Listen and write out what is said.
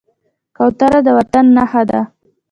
کوتره د وطن نښه ده.